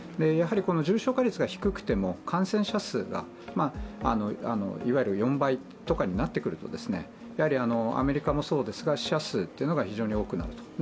やはり重症化率が低くても感染者数がいわゆる４倍とかになってくると、アメリカもそうですが死者数が非常に多くなると。